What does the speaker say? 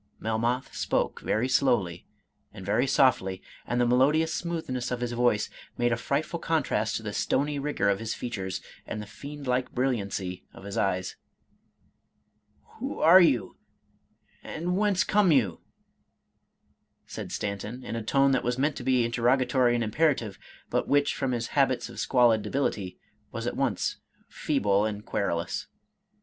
Melmoth spoke ' very slowly and very softly, and the melodious smoothness of his voice made a frightful contrast to the stony rigor of his features, and the fiendlike brilliancy of his eyes. " Who are you, and whence come you ?" said Stanton, in a tone that was meant to be interrogatory and imperative, but which, from his habits of squalid debility, was at once feeble and querulous.